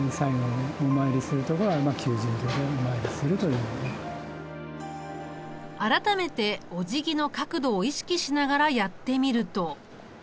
やっぱり改めておじぎの角度を意識しながらやってみると。